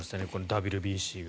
ＷＢＣが。